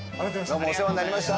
どうもお世話になりました。